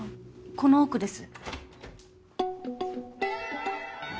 この奥です